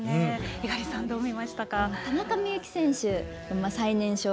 猪狩さん、どう見ましたか？